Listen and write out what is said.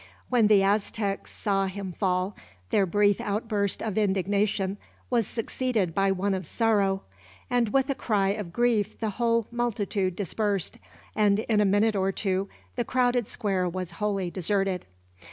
When the Aztecs saw him fall, their brief outburst of indignation was succeeded by one of sorrow; and with a cry of grief the whole multitude dispersed, and in a minute or two the crowded square was wholly deserted.